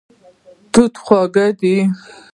توت خواږه دی.